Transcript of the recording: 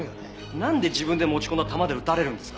なんで自分で持ち込んだ弾で撃たれるんですか？